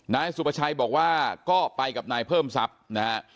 นายสุประชัยบอกว่าก็ไปกับนายเพิ่มทรัพย์นะฮะ